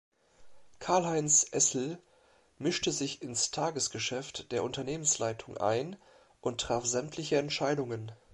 Karlheinz Essl mischte sich ins Tagesgeschäft der Unternehmensleitung ein und traf sämtliche Entscheidungen.